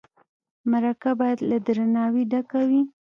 مرکه باید له درناوي ډکه وي.